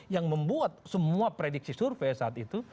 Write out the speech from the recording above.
yang membuat semua prediksi survei saat itu